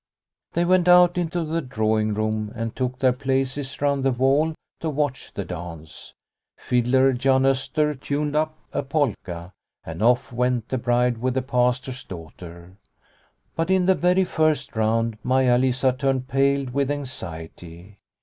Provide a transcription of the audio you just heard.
They went out into the drawing room, and took their places round the wall to watch the dance. Fiddler Jan Oster tuned up a polka, and off went the bride with the Pastor's daugh ter. But in the very first round, Maia Lisa turned pale with anxiety.